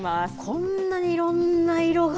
こんなにいろんな色が。